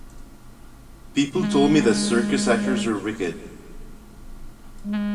People told me that circus actors were wicked.